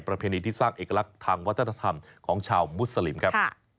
เพียที่สร้างเอกลักษณ์ทางวัฒนธรรมของชาวมุสลิมครับ